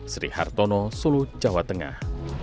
sri hartono solo jawa tengah